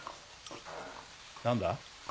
何だ？